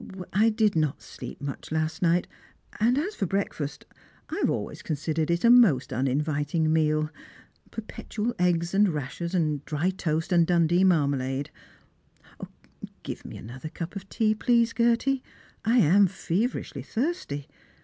" I did not sleep much last night ; and as for breeififtst. I have Strangers and Pilgrims. 14f always considered it a most uninviting meal — perpetual ^ggfi, and rashers, and dry toast, and Dundee marmalade." Give me another cup of tea, please, Gerty ; I am feverishly thirsty.